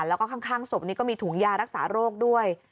แล้วก็ข้างศพนี้ก็มีถุงยารักษาโรคด้วย